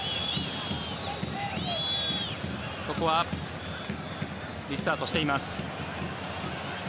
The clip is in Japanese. ここはリスタートしています。